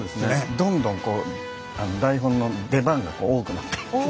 どんどんこう台本の出番が多くなっていく。